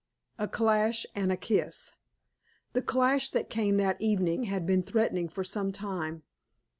A CLASH AND A KISS The clash that came that evening had been threatening for some time.